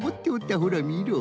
ほらみろ。